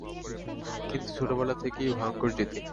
কিন্তু ছোটবেলা থেকেই ভয়ঙ্কর জেদি।